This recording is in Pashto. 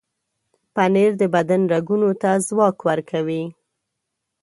پنېر د بدن رګونو ته ځواک ورکوي.